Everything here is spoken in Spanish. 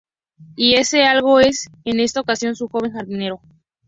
Y ese algo es, en esta ocasión, su joven jardinero.